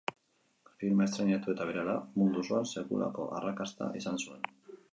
Filma estreinatu eta berehala mundu osoan sekulako arrakasta izan zuen.